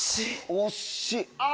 惜しい！